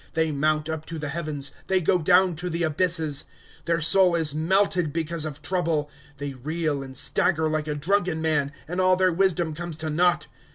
^^ They mount up to the heavens, they go down to the abysses ; Their soul is melted because of trouble, '" They reel and stagger like a drunken man. And all their wisdom comes to naught.